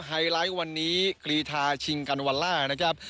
ไฮไลท์วันนี้กรีธาชิงกันวันล่านะครับ